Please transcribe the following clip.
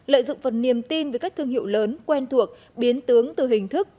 lợi dụng phần niềm tin với các thương hiệu lớn quen thuộc biến tướng từ hình thức